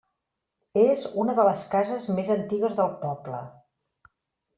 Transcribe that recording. És una de les cases més antigues del poble.